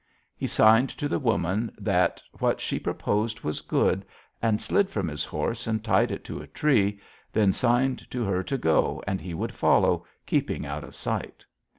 He signed to the woman that what she proposed was good, and slid from his horse and tied it to a tree, then signed to her to go, and he would follow, keeping out of sight.